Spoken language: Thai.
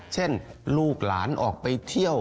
เช่นลูกหลานออกไปเที่ยว